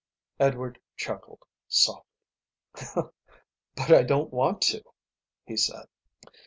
Edward chuckled softly. "But I don't want to," he said.